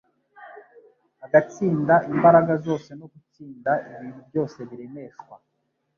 agatsinda imbaraga zose no gutsinda ibintu byose biremeshwa.